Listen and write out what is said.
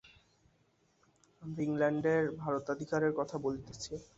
আমরা ইংলণ্ডের ভারতাধিকারের কথা বলিতেছি।